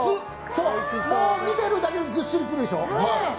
見てるだけでずっしり来るでしょ。